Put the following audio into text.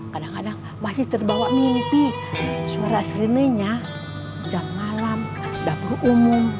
kadang kadang masih terbawa mimpi suara serinenya jam malam dapur umum